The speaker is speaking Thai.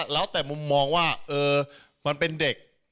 แล้วแต่มุมมองว่ามันเป็นเด็ก